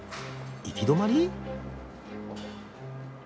行き止まり？